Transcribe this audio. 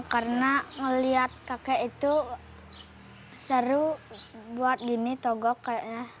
karena melihat kakek itu seru buat gini togok kayaknya